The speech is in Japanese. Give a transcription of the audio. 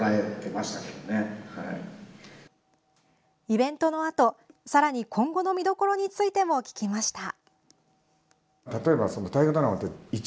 イベントのあとさらに今後の見どころについても聞きました。